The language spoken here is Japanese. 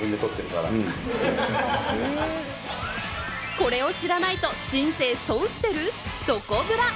これを知らないと人生損してる？